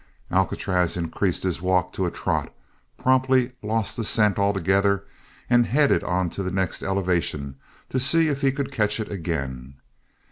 Alcatraz increased his walk to a trot, promptly lost the scent altogether, and headed onto the next elevation to see if he could catch it again.